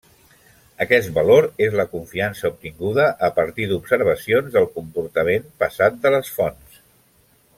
Aquest valor és la confiança obtinguda a partir d'observacions del comportament passat de les fonts.